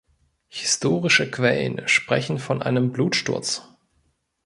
Historische Quellen sprechen von einem Blutsturz.